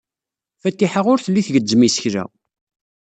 Fatiḥa ur telli tgezzem isekla.